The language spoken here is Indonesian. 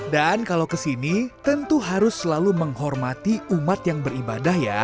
dan kalau kesini tentu harus selalu menghormati umat yang beribadah ya